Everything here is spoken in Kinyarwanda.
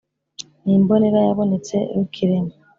ni imbonera yabonetse rukirema;